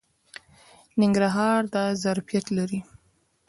ننګرهار دا ظرفیت لري.